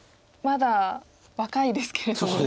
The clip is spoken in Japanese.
まだ若いですけれども。